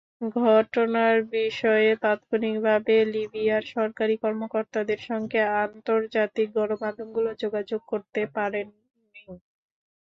ঘটনার বিষয়ে তাৎক্ষণিকভাবে লিবিয়ার সরকারি কর্মকর্তাদের সঙ্গে আন্তর্জাতিক গণমাধ্যমগুলো যোগাযোগ করতে পারেনি।